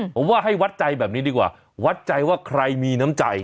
ผมว่าให้วัดใจแบบนี้ดีกว่าวัดใจว่าใครมีน้ำใจ